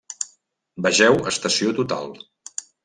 Vegeu estació total.